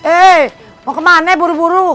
eh mau kemana buru buru